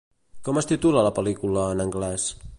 Com és titula la pel·lícula en anglès?